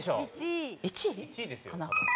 １位かな？